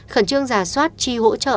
khẩn trương giả soát chi hỗ trợ